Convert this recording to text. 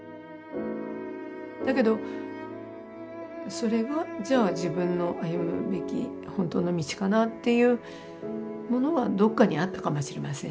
だけどそれがじゃあ自分の歩むべき本当の道かなっていうものはどっかにあったかもしれませんね。